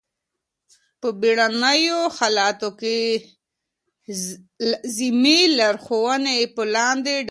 په بېړنیو حالاتو کي لازمي لارښووني په لاندي ډول دي.